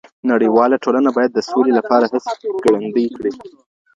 نړيواله ټولنه بايد د سولي لپاره هڅي ګړندۍ کړي.